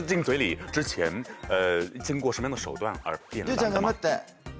劉ちゃん頑張って。